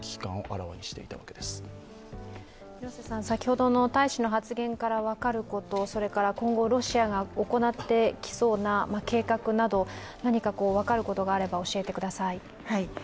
先ほどの大使の発言から分かること、それから今後、ロシアが行ってきそうな計画など何か分かることがあれば教えてください。